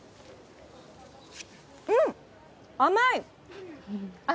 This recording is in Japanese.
うん、甘い！